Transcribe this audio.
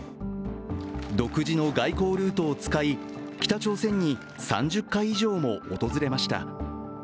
独自の外交ルートを使い、北朝鮮に３０回以上も訪れました。